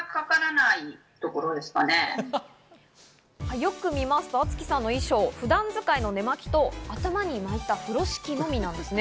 よく見ますとアツキさんの衣装、普段使いの寝間着と頭に巻いた風呂敷のみなんですね。